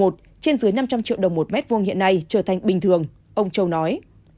trên dưới năm trăm linh triệu đồng một m hai hiện nay trở thành bình thường ông châu nói